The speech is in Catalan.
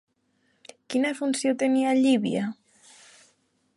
Quina funció tenia Llívia?